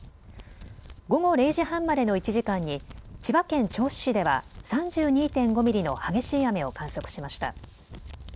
午後０時半までの１時間に千葉県銚子市では３２．５ミリの激しい雨を観測しました。